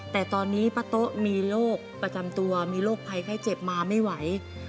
แต่ตอนนี้ป้าโต๊ะมีโรคประจำตัวมีโรคภัยไข้เจ็บมาไม่ไหว